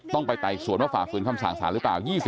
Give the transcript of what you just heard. ไปไต่สวนว่าฝ่าฝืนคำสั่งสารหรือเปล่า